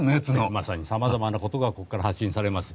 まさにさまざまなことがここから発信されます。